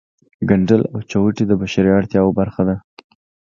ګنډل او چوټې د بشري اړتیاوو برخه ده